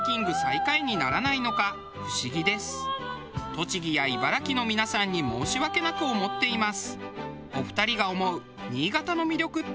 栃木や茨城の皆さんに申し訳なく思っています。